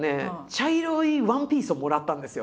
茶色いワンピースをもらったんですよ。